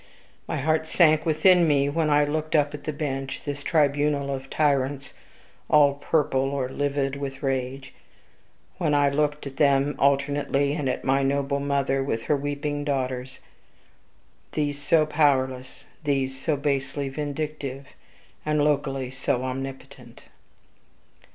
My heart sank within me when I looked up at the bench, this tribunal of tyrants, all purple or livid with rage; when I looked at them alternately and at my noble mother with her weeping daughters these so powerless, those so basely vindictive, and locally so omnipotent.